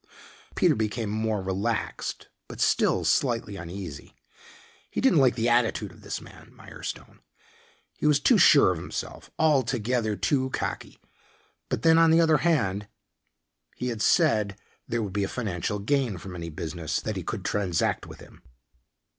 Peter became more relaxed but still slightly uneasy. He didn't like the attitude of this man, Mirestone. He was too sure of himself altogether too cocky. But then on the other hand he had said there would be a financial gain from any business that he could transact with him.